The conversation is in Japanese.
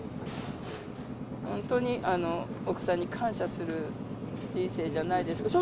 本当に奥さんに感謝する人生じゃないですか。笑